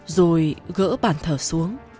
rồi gỡ bàn thờ xuống